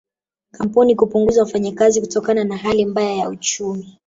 Kampuni kupunguza wafanyakazi kutokana na hali mbaya ya uchumi